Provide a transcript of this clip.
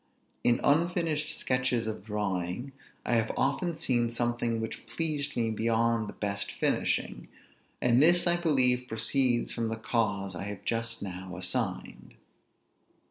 In unfinished sketches of drawing, I have often seen something which pleased me beyond the best finishing; and this I believe proceeds from the cause I have just now assigned.